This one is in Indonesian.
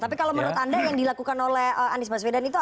tapi kalau menurut anda yang dilakukan oleh anies baswedan itu